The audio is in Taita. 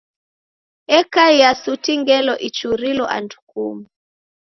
Ekaia suti ngelo ichurilo andu kumu.